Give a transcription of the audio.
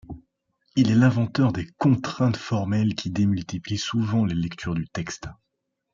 Il est l'inventeur de contraintes formelles qui démultiplient souvent les lectures du texte.